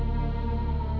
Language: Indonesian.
tidak tidak tidak